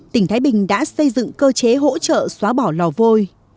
tỉnh thái bình đã xây dựng cơ chế hỗ trợ xóa bỏ lò vôi